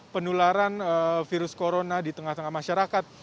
penularan virus corona di tengah tengah masyarakat